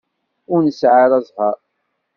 Ur nesɛi ara ẓẓher.